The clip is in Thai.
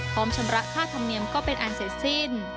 ชำระค่าธรรมเนียมก็เป็นอันเสร็จสิ้น